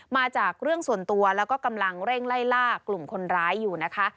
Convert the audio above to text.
มาจากเรื่องส่วนตัวแล้วก็กำลังเร่งไล่ล่ากลุ่มคนร้ายอยู่นะคะ